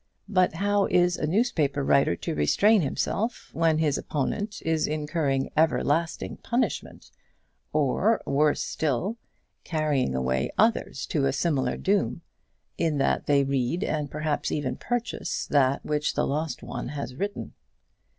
But how is a newspaper writer to restrain himself when his opponent is incurring everlasting punishment, or, worse still, carrying away others to a similar doom, in that they read, and perhaps even purchase, that which the lost one has written?